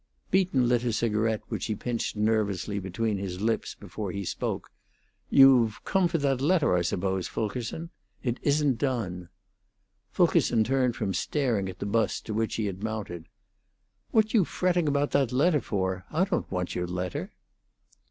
Beaton lit a cigarette which he pinched nervously between his lips before he spoke. "You've come for that letter, I suppose, Fulkerson? It isn't done." Fulkerson turned from staring at the bust to which he had mounted. "What you fretting about that letter for? I don't want your letter."